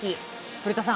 古田さん